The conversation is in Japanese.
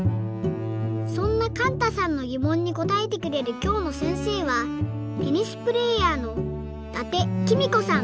そんなかんたさんのぎもんにこたえてくれるきょうのせんせいはテニスプレーヤーの伊達公子さん。